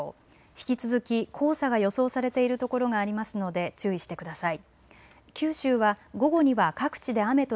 引き続き黄砂が予想されている所がありますので注意してください。